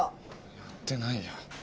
やってないよ